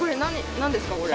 何ですかこれ？